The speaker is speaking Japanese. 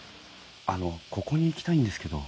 あのここに行きたいんですけど。